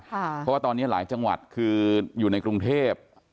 เพราะว่าตอนนี้หลายจังหวัดคืออยู่ในกรุงเทพ